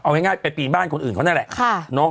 เอาง่ายไปปีนบ้านคนอื่นเขานั่นแหละ